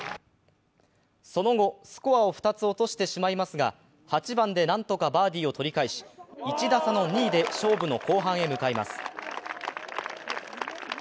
その後、スコアを２つ落としてしまいますが、８番で何とかバーディーを取り返し１打差の２位で勝負の後半へ向かいます。